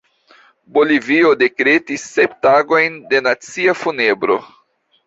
Bolivio dekretis sep tagojn de nacia funebro.